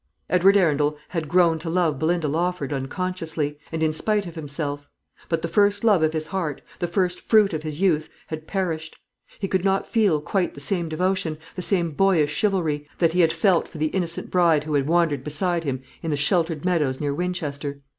Edward Arundel had grown to love Belinda Lawford unconsciously, and in spite of himself; but the first love of his heart, the first fruit of his youth, had perished. He could not feel quite the same devotion, the same boyish chivalry, that he had felt for the innocent bride who had wandered beside him in the sheltered meadows near Winchester.